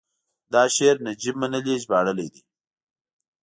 دا شعر نجیب منلي ژباړلی دی: